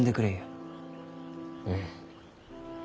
うん。